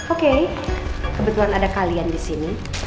oke kebetulan ada kalian disini